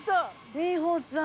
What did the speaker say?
美穂さん！